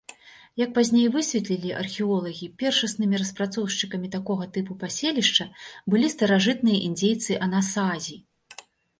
Як пазней высветлілі археолагі, першаснымі распрацоўшчыкамі такога тыпу паселішча былі старажытныя індзейцы-анасазі.